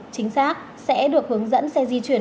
chính xác sẽ được hướng dẫn xe di chuyển